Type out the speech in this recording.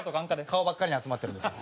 顔ばっかりに集まってるんですよ。